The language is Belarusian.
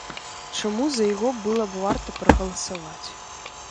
Чаму за яго было б варта прагаласаваць.